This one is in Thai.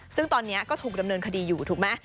ซึ่งตอนนี้ก็ถูกดำเนินคดีอยู่ถูกไหม